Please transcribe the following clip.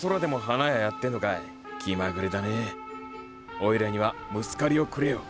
おいらにはムスカリをくれよ。